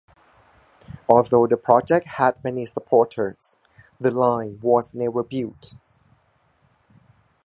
Although the project had many supporters, the line was never built.